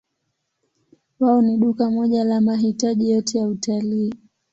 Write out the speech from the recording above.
Wao ni duka moja la mahitaji yote ya utalii.